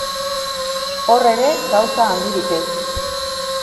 Hor ere, gauza handirik ez.